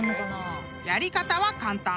［やり方は簡単］